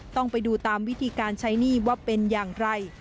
ต้องไปดูตามวิธีการใช้หนี้ว่าเป็นอย่างไร